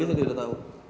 satu lagi saya tidak tahu